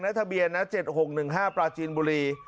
ทะเบียนนะ๗๖๑๕ปราจีนบุรี